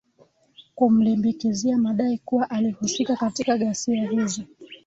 kumlimbikizia madai kuwa alihusika katika ghasia hizo